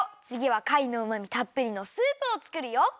つぎはかいのうまみたっぷりのスープをつくるよ！